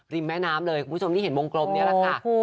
แม่น้ำเลยคุณผู้ชมที่เห็นวงกลมนี่แหละค่ะ